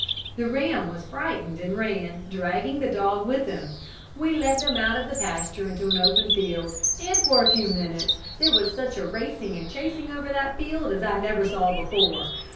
The ram was frightened and ran, dragging the dog with him. We let them out of the pasture into an open field, and for a few minutes there was such a racing and chasing over that field as I never saw before.